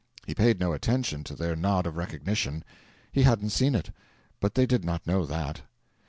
He paid no attention to their nod of recognition! He hadn't seen it; but they did not know that.